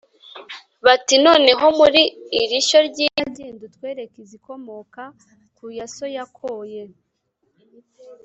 bati: "Noneho muri iri shyo ry'inka, genda utwereke izikomoka ku yo so yakoye.